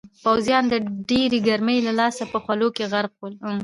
پوځیان د ډېرې ګرمۍ له لاسه په خولو کې غرق ول.